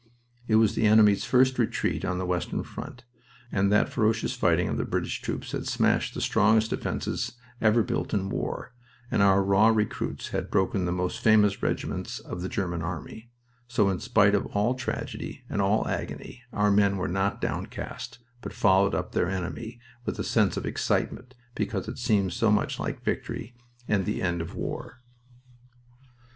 It was the enemy's first retreat on the western front, and that ferocious fighting of the British troops had smashed the strongest defenses ever built in war, and our raw recruits had broken the most famous regiments of the German army, so in spite of all tragedy and all agony our men were not downcast, but followed up their enemy with a sense of excitement because it seemed so much like victory and the end of war.